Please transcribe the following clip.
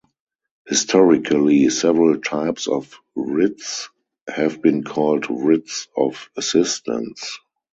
Historically, several types of writs have been called "writs of assistance".